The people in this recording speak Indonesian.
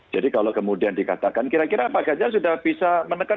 jadi kalau kemudian dikatakan kira kira apakah dia sudah bisa menekan